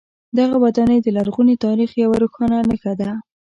دغه ودانۍ د لرغوني تاریخ یوه روښانه نښه ده.